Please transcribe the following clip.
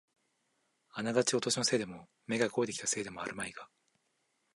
あながちお年のせいでも、目が肥えてきたせいでもあるまいが、